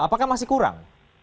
apakah masih kurang